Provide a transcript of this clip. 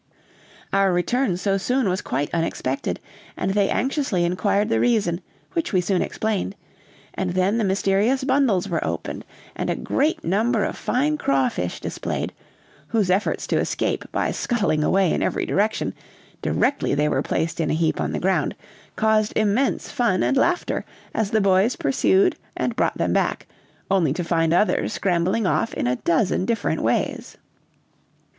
Our return so soon was quite unexpected, and they anxiously inquired the reason, which we soon explained; and then the mysterious bundles were opened, and a great number of fine crawfish displayed; whose efforts to escape by scuttling away in every direction, directly they were placed in a heap on the ground, caused immense fun and laughter as the boys pursued and brought them back, only to find others scrambling off in a dozen different ways.